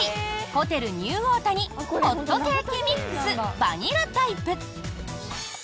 ホテルニューオータニホットケーキミックスバニラタイプ。